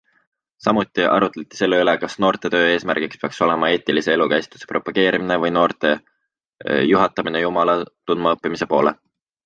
Samuti arutleti selle üle, kas noortetöö eesmärgiks peaks olema eetilise elukäsitluse propageerimine või noorte juhatamine Jumala tundmaõppimise poole.